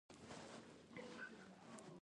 ډیری پښتانه شعرونه په یاد لري.